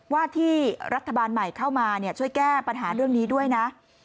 ว่าที่รัฐบาลใหม่เข้ามาช่วยแก้ปัญหาเรื่องนี้ด้วยนะ